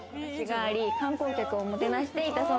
観光客をもてなしていたそう